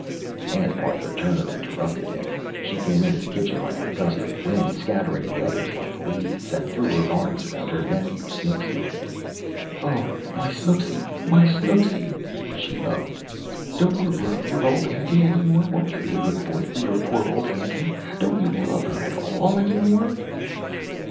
Aunt Martha Turner interrupted him. She came into the kitchen like a gust of wind, scattering the others like leaves, and threw her arms around her nephew Snooksy. "Oh, my Snooksy! My Snooksy!" she moaned. "Don't you love your old auntie any more? Won't you be a good boy for your poor old auntie? Don't you love her at all any more?"